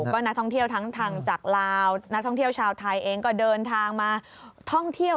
ก็นักท่องเที่ยวทั้งทางจากลาวนักท่องเที่ยวชาวไทยเองก็เดินทางมาท่องเที่ยว